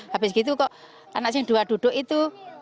habis itu kok anak dua duduk itu